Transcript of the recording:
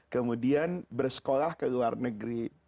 kemudian bersekolah ke luar negeri